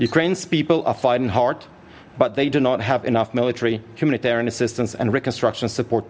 menteri kesehatan mark butler